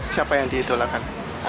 siapa yang diidolakan